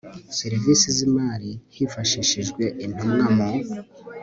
serivisi z imari hifashishijwe Intumwa mu